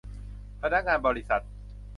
พนักงานบริษัท